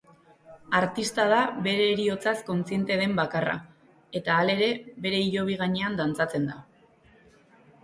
Artista da bere heriotzaz kontziente den bakarra, eta halere bere hilobi gainean dantzatzen da.